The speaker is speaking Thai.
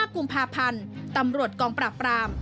กุมภาพันธ์ตำรวจกองปราบราม